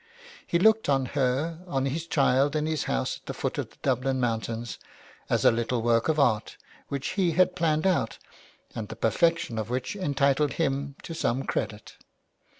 He looked on her, on his child and his house at the foot of the Dublin mountains, as a little work of art which he had planned out and the perfection of which entitled him to some credit.